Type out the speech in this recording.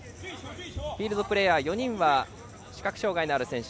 フィールドプレーヤー４人は視覚障がいのある選手。